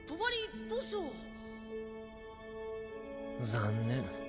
残念。